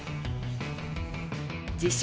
自称